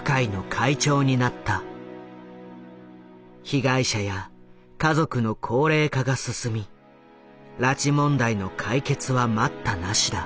被害者や家族の高齢化が進み拉致問題の解決は待ったなしだ。